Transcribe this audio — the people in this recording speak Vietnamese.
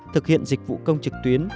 thực hiện dịch vụ công trực tuyến